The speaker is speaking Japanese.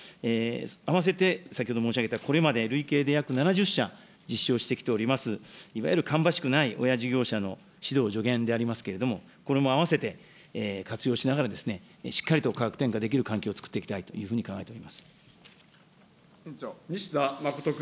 併せて、先ほど申し上げたこれまで累計で約７０社、実施をしてきております、いわゆる芳しくない親事業者の指導、助言でありますけれども、これも併せて活用しながら、しっかりと価格転嫁できる環境を作っていきたいというふうに考え西田実仁君。